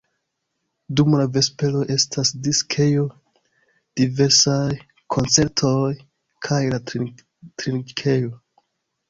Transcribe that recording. Dum la vesperoj estas diskejo, diversaj koncertoj, kaj la trinkejo.